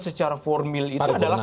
secara formil itu adalah